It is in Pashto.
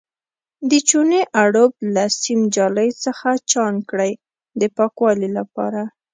د چونې اړوب له سیم جالۍ څخه چاڼ کړئ د پاکوالي لپاره.